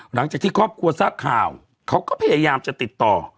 หลังจากที่ครอบครัวทราบข่าวเขาก็พยายามจะติดต่อ